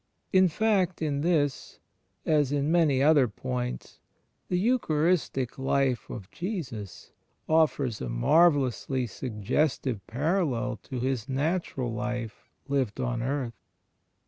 In fact in this, as in many other points, the Eucharistic Life of Jesus offers a marvellously suggestive parallel to His Natural Life lived on earth.